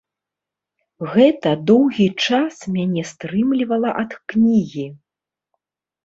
Гэта доўгі час мяне стрымлівала ад кнігі.